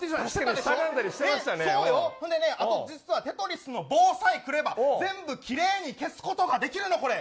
実は、テトリスの棒さえくれば全部きれいに消すことができるのこれ。